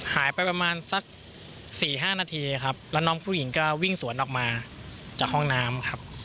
หายไปประมาณสัก๔๕นาทีครับแล้วน้องผู้หญิงก็วิ่งสวนออกมาจากห้องน้ำครับ